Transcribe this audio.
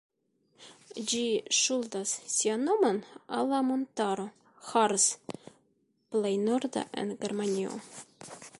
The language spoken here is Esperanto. Ĝi ŝuldas sian nomon al la montaro "Harz", plej norda en Germanio.